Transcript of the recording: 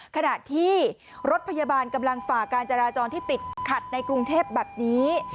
ขณะที่รถพยาบาลกำลังฝ่าการจราจรที่ติดขัดในกรุงเทพแบบนี้